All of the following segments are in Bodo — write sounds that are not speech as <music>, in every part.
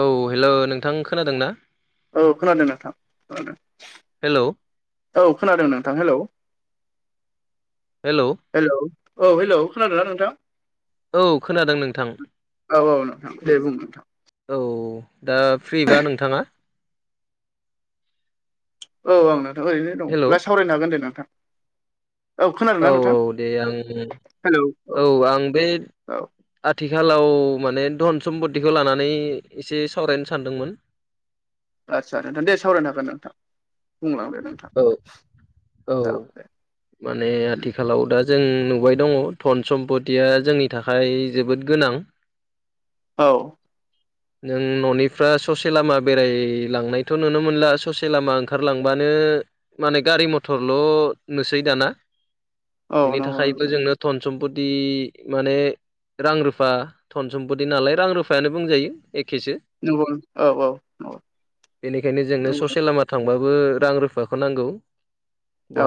औ हेल' नोंथां खोनादों ना? औ खोनादों नोंथां खोनादों हेल' औ खोनादों नोंथां हेलौ हेलौ। हेलौ औ हेलौ खोनादों ना नोंथां? औ खोनादों नोंथां। औ औ नोंथां दे बुं नोंथां। औ दा फ्रिबा नोंथाङा? औ आं नोंथां ओरैनो दं हेल' ब्ला औ सावरायनो हागोन दे नोंथां। खोनादोंना औ नोंथां औ दे आं औ आं बे औ आथिखालाव माने धन सम्पतिखौ लानानै एसे सावरायनो सानदोंमोन। आदसा दे सावरायनो हागोन नोंथां बुंलांदो नोंथां। औ औ। माने आथिखालाव दा जों नुबाय दङ धन सम्पतिया जोंनि थाखाय जोबोद गोनां। औ। नों न'निफ्रा ससे लामा बेरायलांनायथ' नुनो मोनला ससे लामा ओंखारलांबानो माने गारि मथरल' नुसै दाना <inaudible> बेनि थाखायबो नोंथां जोंनो धन सम्पत माने रां रुफा धन सम्पति नालाय रां रुफायानो बुंजायो एखेसो। नंगौ औ बेनिखायनो जोंनो ससे लामा थांबाबो रां रुफाखौ नांगौ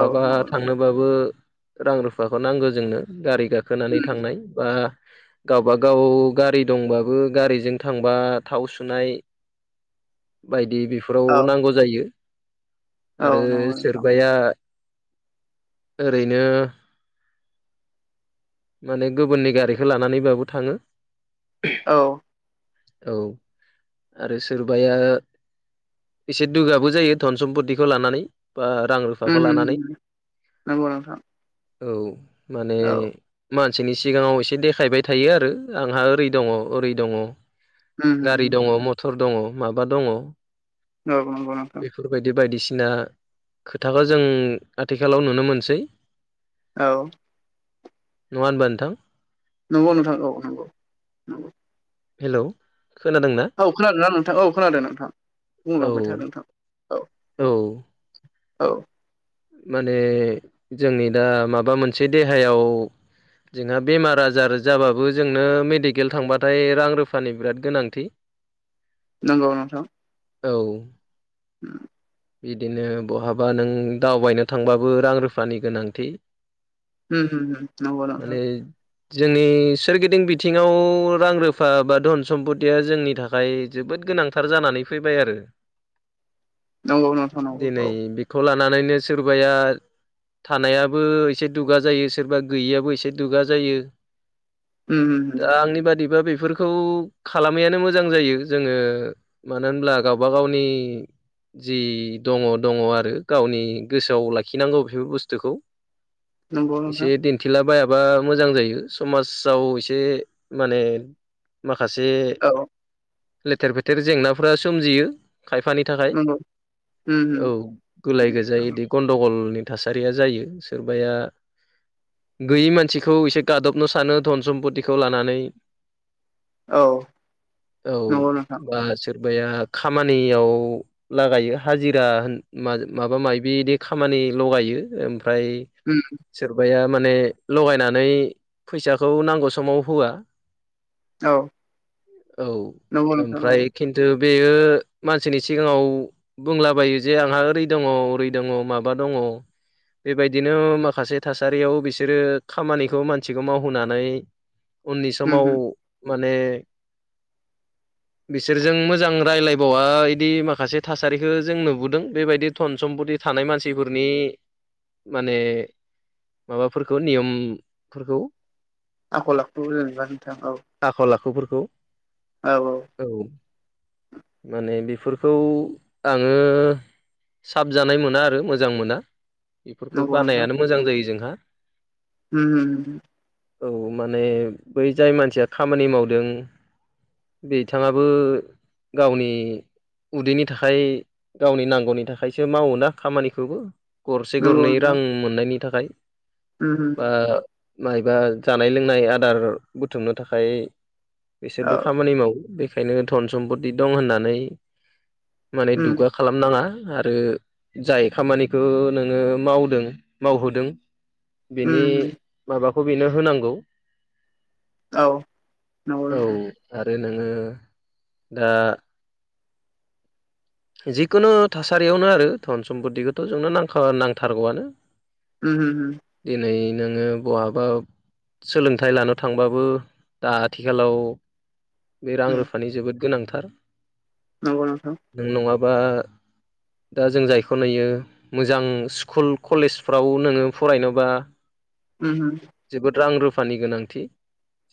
औ नंगौ नंगौ औ नंगौ थांनोबाबो बो रां रुफाखौ नांगो जोंनो गारि गाखोनानै थांनाय बा गावबागाव गारि दंबाबो गारिजों थांबा थाव सुनाय बायदि बेफोराव नांगौ जायो। नोंथां आरो औ नंगौ नोंथां सोरबाया ओरैनो माने गुबुननि गारिखौ लानानैब्लाबो थाङो। औ औ आरो सोरबाया। एसे दुगाबो जायो धन सम्पतिखौ लानानै बा रां रुफ उम बिफाखौ लानानै नंगौ नोंथां औ माने औ मानसिनि सिगाङाव एसे देखायबाय थायो आरो आंहा ओरै दङ ओरै दङ। उम औ गारि दङ मथर दङ माबा दङ औ नंगौ <unintelligible> बेफोरबायदि बायदिसिना खोथाखौ जों आथिखालाव नुनो मोनसै औ नङ होनबा नोंथां नंगौ नोंथां औ नंगौ नंगौ हेलौ। खोनादोंना? औ खोनादों ना नोंथां औ खोनादों नोंथां औ बुंलांबाय था नोंथां औ। औ माने जोंनि दा माबा मोनसे देहायाव जोंहा बेमार आजार जाबाबो जोंनो मेडिकेल थांबाथाय रां रुफानि बिराद गोनांथि नंगौ नोंथां। औ। <inaudible> बिदिनो बहाबा नों दावबायनो थांबाबो रां रुफानि गोनांथि उम उम नंगौ नोंथां। माने जोंनि सोरगिदिं बिथिङाव रां रुफा बा धन सम्पतिया जोंनि थाखाय ओमफाय जोबोद गोनांथार जानानै फैबाय आरो <inaudible> नंगौ नोंथां नंगौ दिनै औ बेखौ लानानैनो सोरबाया थानायाबो एसे दुगा जायो सोरबा गैयियाबो एसे दुगा जायो। उम उम दा उम आंनि बादिबा बेफोर खौ खालामैयानो मोजां जायो जोङो ओ मानो होनब्ला गावबा गावनि जि दङ दङ आरो गावनि गोसोआव लाखिनांगौ बेफोर बुस्थुखौ नंगौ एसे नोंथां दिन थिला बायाबा मोजां जायो समाजाव एसे माने माखासे औ। लेथेर फेथेर जेंनाफोरा सोमजियो खायफानि थाखाय नंगौ उम उम औ गुलाय गुजाय गन्दगलनि थासारिया जायो सोरबाया- गैयै मानसिखौ एसे गादबनो सानो धन सम्पतिखौ लानानै औ औ नंगौ नोंथां बा सो खामानियाव लागायो हाजिरा माबा माबि खामानि लगायो ओमफ्राय उम। सोरबाया माने लगायनानै फैसाखौ नांगौ समाव होआ। औ औ नंगौ नोंथां औ ओमफ्राय खिन्थु बेयो मानसिनि सिगाङाव बुंलाबायो जे आंहा ओरै दङ ओरै दङ- माबा दङ। बेबायदिनो माखासे थासारियाव बिसोरो खामानिखौ मानसिखौ मावहोनानै उननि उम समाव उम माने बिसोरजों मोजां रायज्लायबावा बिदि माखासे थासारिखौ जों नुबोदों। बेबायदि धन सम्पति थानाय मानसिफोरनि माने माबाफोरखौ नियमफोरखौ आखल आखु जेनेबा नोंथां औ। आखल आखुफोरखौ औ औ। औ। माने बेफोरखौ आङो साबजानाय मोन ना आरो मोजां मोना बेफोरखौ नंगौ नोंथां बानायानो मोजां जायो जोंहा। उम उम उम। औ माने बै जाय मानसिया खामानि मावदों बिथाङाबो गावनि उदैनि थाखाय गावनि नांगौनि थाखायसो मावोना। खामानिखौबो गरसे नंगौ गरनै नोंथां रां मोननायनि थाखाय उम उम बा मायबा जानाय लोंनाय आदार बुथुमनो थाखाय औ बिसोरबो खामानि मावो। बेखायनो धन सम्पति दं होननानै माने उम दुगा खालामनाङा आरो जाय खामानिखौ नोङो मावदों मावहोदों बिनि उम उम माबाखौ बिनो होनांगौ औ नंगौ औ। नोंथां आरो नोङो दा जिखुनु थासारियावनो आरो धन सम्पिखौथ' जोंनो नांखा नांथारगौआनो। <inaudible> दिनै नोङो बहाबा सोलोंथाइ लानो थांबाबो दा आथिखालाव बे रां उम रुफानि जोबोद गोनांथार। नंगौ नोंथां। नों नङाबा दा जों जायखौ नुयो मोजां स्कुल कलेजफ्राव नोङो फरायनोबा उम उम। जोबोद रां रुफानि गोनांथि।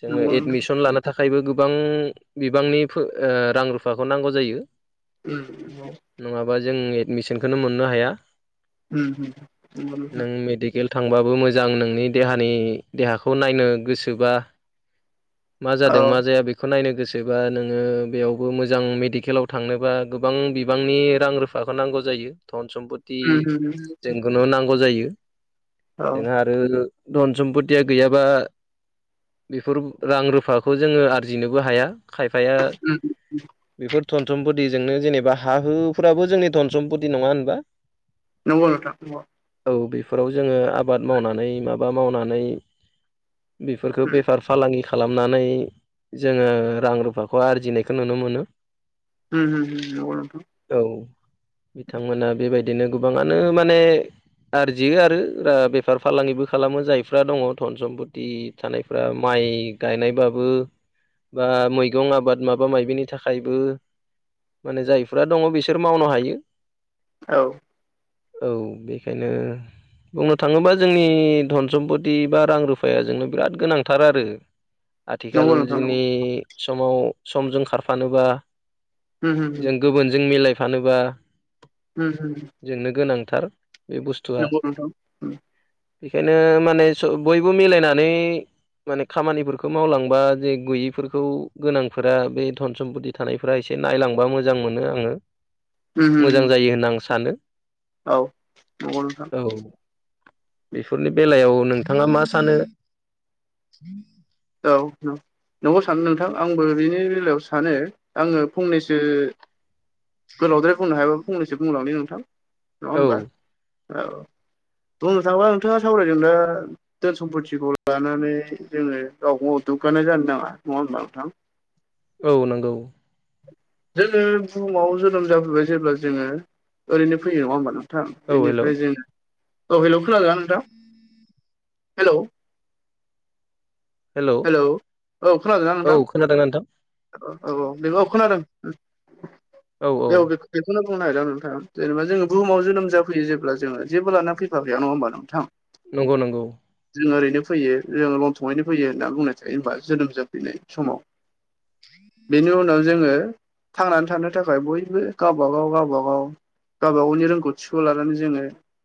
जोङो नंगौ नोंथां एडमिसन लाना थाखायबो गोबां बिबांनि ओ रां रुफाखौ नांगौ जायो। <inaudible> नङाबा जों एडमिसनखोनो मोननो हाया। उम उम नंगौ नोंथां। गेल थांबाबो मोजां नोंनि देहानि देहाखौ नायनो गोसोबा। मा जादों औ मा जाया बेखौ नायनो गोसोबा नोङो बेयावबो मोजां मेडिकेलाव थांनोबा गोबां बिबांनि रां रुफाखौ नांगौ जायो धन सम्प दि उम उम जोंखौनो नांगौ जायो। औ उम जोंहा आरो धन सम्पतिया गैयाबा बेफोर रां रुफाखौ जोङो आरजिनोबो हाया। खायफाया बेफोर धन सम्पति जोंनो जेनेबा हा हुफोराबो जोंनि धन सम्पति नङा होनबा? नंगौ नोंथां नंगौ। औ बेफोराव जोङो आबाद मावनानै माबा मावनानै बेफोरखौ उम बेफार फालांगि खालामनानै जोङो रां रुफाखौ आरजिनायखौ नुनो मोनो। उम उम नंगौ नोंथां। औ बिथांमोना बेबायदिनो गोबाङानो माने आरजियो आरो बेफार फालांगिबो खालामो जायफ्रा दङ धन सम्पति। थानायफ्रा माइ गायनायबाबो बा मैगं आबाद माबा मायबिनि थाखायबो माने जायफ्रा दङ बिसोर मावनो हायो। औ औ बिखायनो बुंनो थाङोबा जोंनि धन सम्पति बा रां रुफाया जोंनो बिराद गोनांथार आरो। <inaudible> नोंथां आथिखालनि नंगौ समाव समजों खारफानोबा होम होम जों गुबुनजों मिलायफानोबा उम होम। जोंनो गोनांथार बे बुस्थुआ। नोंथां उम बेखायनो माने ज बयबो मिलायनानै माने खामानिफोरखौ मावलांबा जे गैयिफोरखौ गोनांफोरा बे धन सम्पति थानायफ्रा एसे नायलांबा मोजां मोनो आङो उम मोजां जायो होनना आं सानो। औ नंगौ नोंथां। औ बेफोरनि बेलायाव नोंथाङा मा सानो? औ नं नोंगौ सानो नोंथां आंबो बिनि बेलायाव सानो आङो फंनैसो गोलावद्राय बुंनो हायाबो फंनैसो बुंलांनि नोंथां नङा औ होमबा। औ बुंनो थाङोबा नोंथाङा सावरायदों दा धोन सम्पथिखौ लानानै जोङो गावखौ दुग्गानाय जानो नाङा नङा होमबब्ला नोंथां? औ नंगौ। जोङो बुहुमाव जोनोम जाबोबाय जेब्ला जोङो ओरैनो फैयो नङा होमबा नों थां औ हेलौ बेनिफ्राय जों औ हेलौ खोनादोना नोंथां? हेलौ हेलौ औ खोनादोना औ नोंथां? खोनादों नोंथां औ औ औ बेखौ खोनादों उम औ औ बे अबेखौ बेखौनो बुंनो नागिरदों नोंथा जेनेबा जोङो बुहुमाव जोनोम जाफैयो जेब्ला जोङो जेबोला ना फैफा बेयाव नङा होमबा नोंथां। नंगौ नंगौ जों ओरैनो फैयो जों लंथंयैनो फैयो दा बुंनाय थायो जोनोम जाफैनाय समाव। बेनि उनाव जोङो थांनानै थानो थाखाय बयबो गावबागाव-गावबागाव गावबागावनि रोंगौथिखौ लानानै जोङो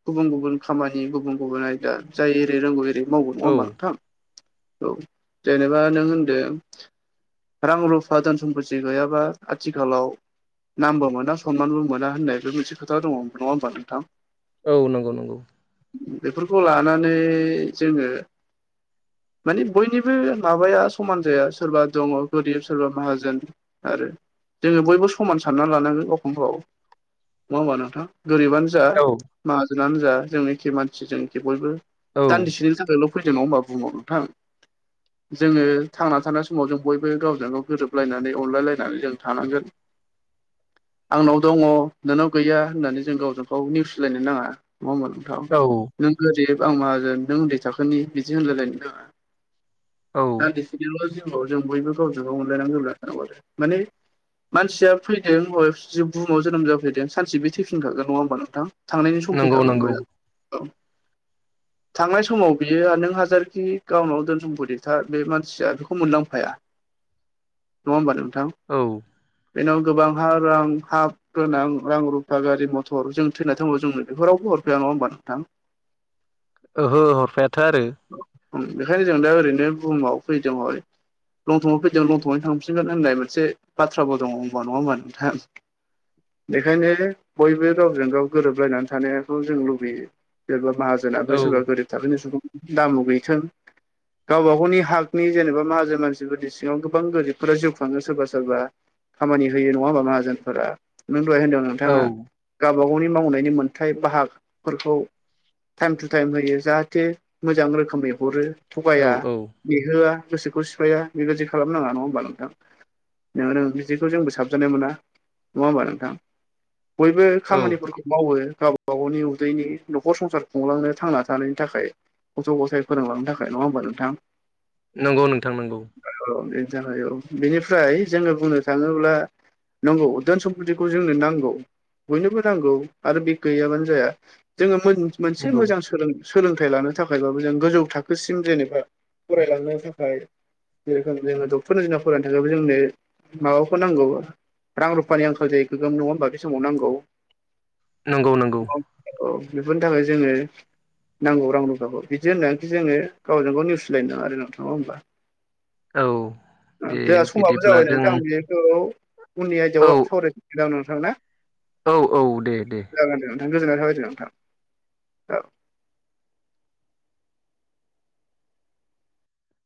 गुबुन गुबुन खामानि गुबुन गुबुन आयदा जाय एरै रोंगौ एरै मावगौ नङा औ होमबा नोंथां। औ जेनेबा नों होनदों रां रुफा धोन सम्फति गैयाबा आथिखालाव नामबो मोना सनमानबो मोना होननायबो मोनसे खोथा दङ नङा होमबा नोंथां। औ नंगौ नंगौ। बेफोरखौ लानानै जोङो माने बयनिबो माबाया समान जाया सोरबा दङ गोरिब सोरबा माहाजोन। आरो जोङो बयबो समान सानना लानांगोन गावखौनो गाव नङा होमबा नोंथां गोरिबानो जा औ माहाजोनानो जा जों एखे मानसि जों बयबो औ दान्दिसेनि थाखायल'। <unintelligible> बुहुमाव नोंथां। जोङो थांना थानाय समाव जों बयबो गावजों गाव गोरोबलायनानै अनलाय लायनानै जों थानांगांगोन। आंनाव दङ नोंनाव गैया होननानै जों गावजों गाव निउसिलायनो नाङा नङा होमबा नों औ नों गोरिब आं माहाजोन नों उन्दै थाखोनि बिदि होनलायलायनो नाङा औ दा बिसिनिल' जिउआव जों बयबो गावजों गाव अनलायनांगौ थानांगौ आरो माने मानसिया फैदों हय जिउ बुहुमाव जोनोम जाफैदों सानसे बे थैफिनखागोन नङा होमबा नोंथां। थांनायनि सम नंगौ फैखाखोन नंगौ औ थांनाय समाव बियो नों हाजारखि गावनाव दोनसुमफथि था नों बे मानसिया बेखौ मोनलांफाया नङा होनबा नोंथां औ बेनाव गोबां हा रां हा गोनां रां रुफा गारि मथर जों थैना थांबौ जोंनो बेफोरावबो हरफाया नङा होमबा नोंथां। <inaudible> ओहो हरफायाथो आरो। बेखायनो जों दा ओरैनो बुहुमाव फैदों लंथयै फैदों लंथयै थांफिनगोन होननाय मोनसे बाथ्राबो दङ होनबा नङा होमबा नोंथाङा बेखायनो बयबो गावजों गाव गोरोबलायनानै थानायाखौ जों लुबैयो सोरबा माहाजोनाब औ सोरबा गोरिब थाखाोनि सुबुं दाम' गैथों गावबा गावनि हागनि जेनेबा माहाजोन मानसिफोरनि सिङाव गोबां गोरिबफोरा जिउ खाङो सोरबा सोरबा खामानि होयो नङा होमबा माहाजोनफोरा नों दहाय होनदों औ नोंथाङा। गावबा गावनि मावनायनि मोनथाय बाहागफोरखौ टाइम टु टाइम होयो जाहाथे मोजां रोखोमै हरो थगाया औ औ बिहोआ गोसोखौ सिफाया बेबायदि खालामनाङा नङा होमबा नोंथां। बिदिखौ जोंबो साबजानाय मोना नङा होमबा नोंथां बयबो औ खामानिफोरखौ मावो गावबा गावनि उदैनि न'खर संसार खुंलांनो थांना थानायनि थाखाय गज' गसाइ फोरोंलांनो थाखाय नङा होमबा नोंथां। नंगौ नोंथां नंगौ। औ <unintelligible> औ बेनिफ्राय जोङो बुंनो थाङोब्ला नंगौ धोन सम्पतिखौ जोंनो नांगौ बयनोबो नांगौ आरो बे गैयाबानो जाया जोङो मोनसे नंगौ मोजां सोलोंनो। सोलोंथाइ लानो थाखायबाबो जों गोजौ थाखोसिम जेनेबा फरायलांनो थाखाय जेरोखोम जोङो डक्टर इन्जिनिराय थाखायबो जोंनो माबाखौ नांगौ रां रुफानि आंखाल जायो गोगोम नङा होनोमबा बे समाव नांगौ नंगौ-नंगौ। औ बेफोरनि थाखाय जोङो नांगौ राव रुफाखौ बिदि होननानै जोङो गावजों गाव नेउसिलायनो नाङा आरो नोंथां नङा होमबा औ दे जोंहा समाबो बिदिब्ला जाबाय दों। नोंथां बेखौ उननि आयदाआव सावरायफिनोसैदां नोंथां ना औ औ दे दे जागोन दे नोंथां गोजोननाय थाबायदे नोंथां औ